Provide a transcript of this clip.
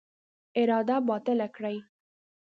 اراده باطله کړي.